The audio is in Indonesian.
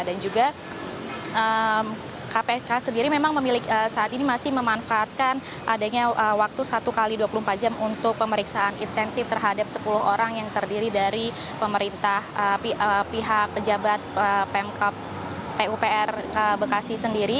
dan juga kpk sendiri memang memiliki saat ini masih memanfaatkan adanya waktu satu x dua puluh empat jam untuk pemeriksaan intensif terhadap sepuluh orang yang terdiri dari pemerintah pihak pejabat pupr bekasi sendiri